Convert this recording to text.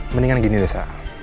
mendingan gini deh sa